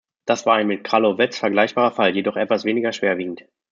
Das war ein mit Kralowetz vergleichbarer Fall, jedoch etwas weniger schwerwiegend.